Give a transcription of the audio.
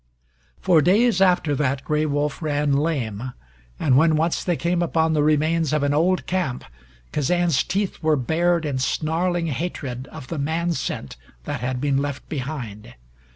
For days after that Gray Wolf ran lame, and when once they came upon the remains of an old camp, Kazan's teeth were bared in snarling hatred of the man scent that had been left behind.